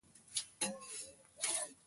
افغانستان د پسه کوربه دی.